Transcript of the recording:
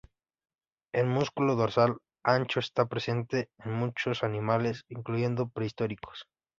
El músculo dorsal ancho está presente en muchos animales, incluyendo prehistóricos.